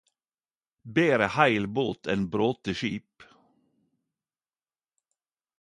Betre heil båt enn brote skip